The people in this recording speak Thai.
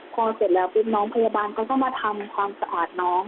พอเสร็จแล้วปุ๊บน้องพยาบาลก็ต้องมาทำความสะอาดน้อง